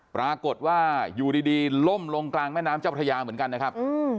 ปรากฏว่าอยู่ดีล่มลงกลางแม่น้ำเจ้าพระยาเหมือนกันนะครับ